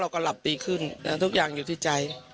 ก็หลับดีขึ้นทุกอย่างอยู่ที่ใจ